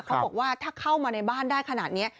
เขาบอกว่าถ้าเข้ามาในบ้านได้ขนาดนี้